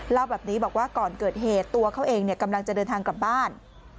เล่าแบบนี้บอกว่าก่อนเกิดเหตุตัวเขาเองกำลังจะเดินทางกลับบ้าน